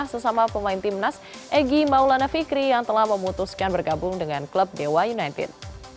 sesama pemain timnas egy maulana fikri yang telah memutuskan bergabung dengan klub dewa united